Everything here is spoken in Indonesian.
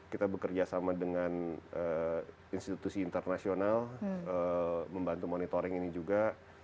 kita bekerja sama dengan institusi internasional membantu monitoring ini juga